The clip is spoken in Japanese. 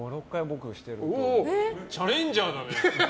チャレンジャーだね。